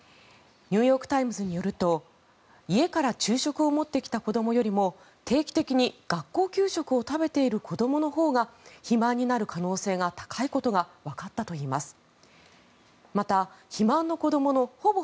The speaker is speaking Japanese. ニューヨーク・タイムズによると家から昼食を持ってきた子どもよりも定期的に学校給食を食べている子どものほうが肥満になる可能性が高いことがわかったといいます。